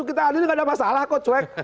kita adil nggak ada masalah kok cuek